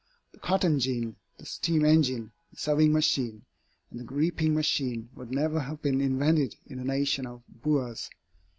The cotton gin, the steam engine, the sewing machine, and the reaping machine would never have been invented in a nation of boors.